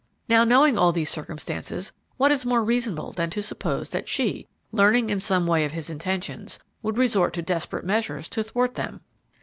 "Now, knowing all these circumstances, what is more reasonable than to suppose that she, learning in some way of his intentions, would resort to desperate measures to thwart them?